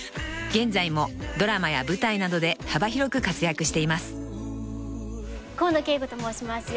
［現在もドラマや舞台などで幅広く活躍しています］